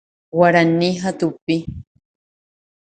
Guarani ha tupi.